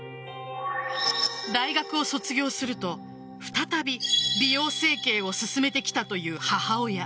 大学を卒業すると再び美容整形を勧めてきたという母親。